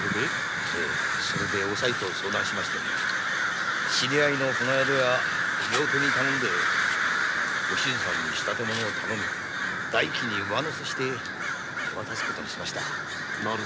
それでおさいと相談し知り合いの船宿や料亭に頼んでお静さんに仕立物を頼み代金に上乗せして手渡す事にしました。